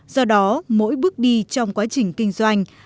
do đó mỗi bước đi trong quá trình kinh doanh